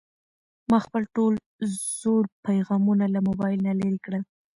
ما خپل ټول زوړ پيغامونه له موبایل نه لرې کړل.